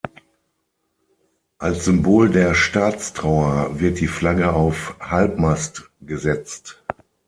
Als Symbol der Staatstrauer wird die Flagge auf halbmast gesetzt.